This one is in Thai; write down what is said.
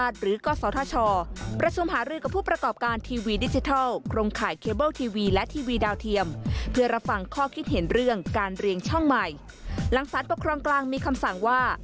ติดตามประเด็นนี้จากรายงานเลยค่ะ